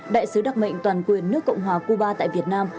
đại sứ đặc mệnh toàn quyền nước cộng hòa cuba tại việt nam